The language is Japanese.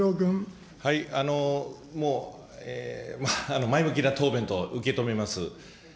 もう、前向きな答弁と受け止めます。